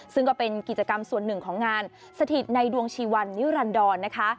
ซึ่งก็เป็นกิจกรรมส่วนหนึ่งของงานสถิตในดวงชีวันนิรันดรนะคะ